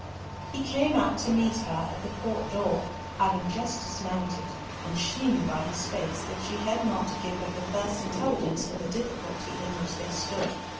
He came out to meet her at the court door, having just dismounted, and she knew by his face that she had not to give him the first intelligence of the difficulty in which they stood.